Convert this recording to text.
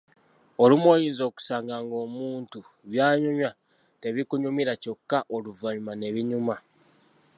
Olumu oyinza okusanga ng’omuntu by’anyumya tebikunyumira kyokka oluvannyuma ne binyuma.